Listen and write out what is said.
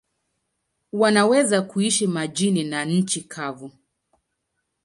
Wanaweza kuishi majini na nchi kavu.